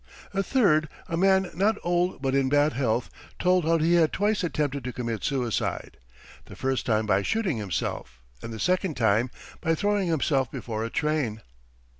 A third, a man not old but in bad health, told how he had twice attempted to commit suicide: the first time by shooting himself and the second time by throwing himself before a train.